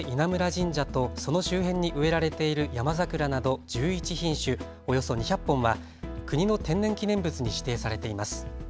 神社とその周辺に植えられているヤマザクラなど１１品種、およそ２００本は国の天然記念物に指定されています。